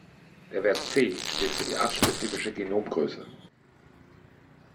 Der Wert ""C"" steht für die artspezifische Genomgröße.